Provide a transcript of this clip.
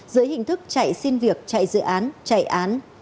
dưới hình thức chạy xin việc chạy dự án chạy án